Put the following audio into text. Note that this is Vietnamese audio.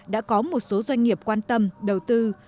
đã có một số doanh nghiệp quan tâm đầu tư